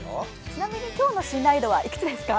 ちなみに、今日の信頼度はいくつですか。